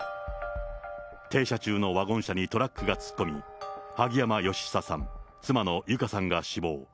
停車中のワゴン車にトラックが突っ込み、萩山嘉久さん、妻の友香さんが死亡。